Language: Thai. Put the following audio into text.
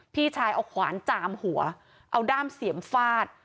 พี่ชายเอาขวานจามหัวเอาด้ามเสียมฟาด